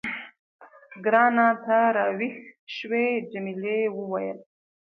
ګرانه، ته راویښ شوې؟ جميلې وويل:.